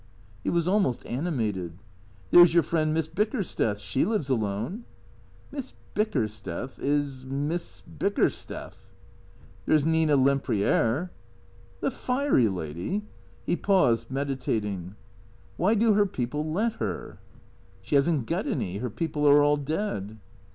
He was almost animated. " There 's your friend, Miss Bickersteth. She lives alone." " Miss Bickersteth — is Miss Bickersteth." " There 's Xina Lempriere." " The fiery lady ?" He paused, meditating. " Why do her people let her ?"" She has n't got any. Her people are all dead."